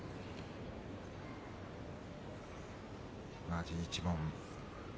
同じ一門。